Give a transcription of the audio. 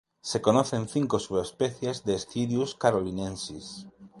Se conocen cinco subespecies de "Sciurus carolinensis".